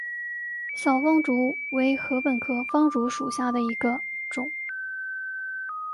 小方竹为禾本科方竹属下的一个种。